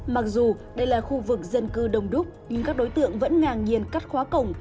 mặc dù đây là khu vực dân cư đông đúc nhưng các đối tượng vẫn ngang nhiên cắt khóa cổng